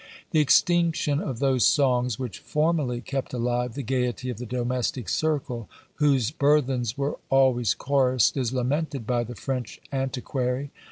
The extinction of those songs which formerly kept alive the gaiety of the domestic circle, whose burthens were always chorused, is lamented by the French antiquary.